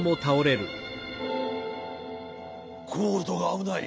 ゴールドがあぶない。